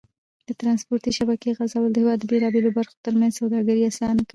د ترانسپورتي شبکې غځول د هېواد د بېلابېلو برخو تر منځ سوداګري اسانه کوي.